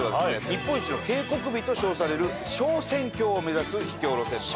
日本一の渓谷美と称される昇仙峡を目指す秘境路線バス。